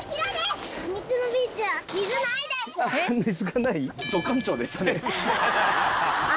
水がない？